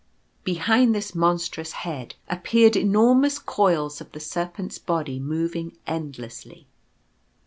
Behind this monstrous head appeared enormous coils of the Serpent's body moving endlessly.